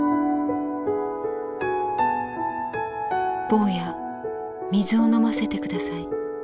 「坊や水を飲ませてください。